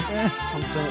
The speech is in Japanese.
本当に。